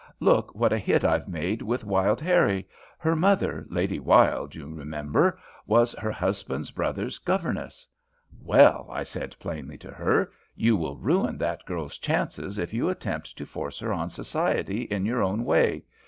Look what a hit I've made with Wild Harrie her mother, Lady Wylde, you remember, was her husband's brother's governess. Well, I said plainly to her, 'You will ruin that girl's chances if you attempt to force her on society in your own way.